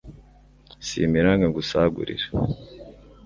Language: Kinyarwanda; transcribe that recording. Si imiranga ngusagurira